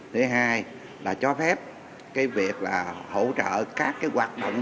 thứ hai là cho phép cái việc là hỗ trợ các cái hoạt động